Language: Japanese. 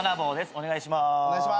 お願いしまーす。